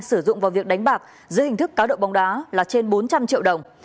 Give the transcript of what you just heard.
sử dụng vào việc đánh bạc dưới hình thức cá độ bóng đá là trên bốn trăm linh triệu đồng